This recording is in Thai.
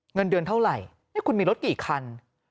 เงินเดือนเท่าไหร่นี่คุณมีรถกี่คัน